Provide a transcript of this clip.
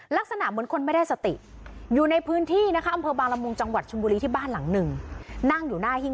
ลักษณะเหมือนคนไม่ได้สติอยู่ในพื้นที่อำเภอบางละมุงจังหวัดชุมบุรีที่บ้านหลังหนึ่ง